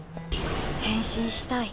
変身したい。